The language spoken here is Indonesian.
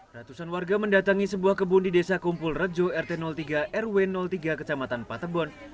ratusan warga mendatangi sebuah kebun di desa kumpul rejo rt tiga rw tiga kecamatan patebon